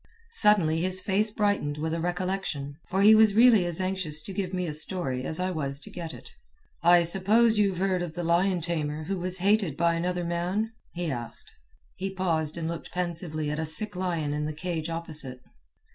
Suddenly his face brightened with a recollection, for he was really as anxious to give me a story as I was to get it. "I suppose you've heard of the lion tamer who was hated by another man?" he asked. He paused and looked pensively at a sick lion in the cage opposite.